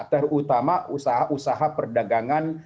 terutama usaha usaha perdagangan